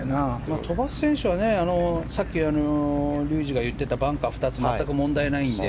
飛ばす選手はさっき、竜二が言ってたバンカー２つ全く問題ないので。